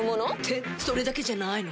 ってそれだけじゃないの。